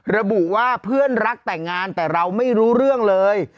ระบุว่าเพื่อนรักแต่งงานแต่เราไม่รู้เรื่องเลย